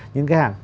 những cái hàng